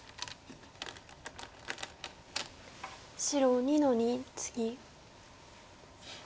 白２の二ツギ。